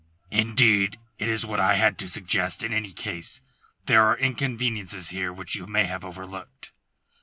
"Indeed it is what I had to suggest in any case. There are inconveniences here which you may have overlooked."